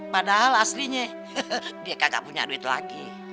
padahal aslinya dia kagak punya duit lagi